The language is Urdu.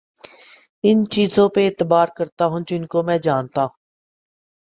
ان چیزوں پر اعتبار کرتا ہوں جن کو میں جانتا ہوں